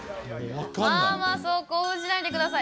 あー、まあ、そう興奮しないでください。